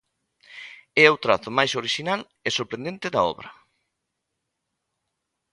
É o trazo máis orixinal e sorprendente da obra.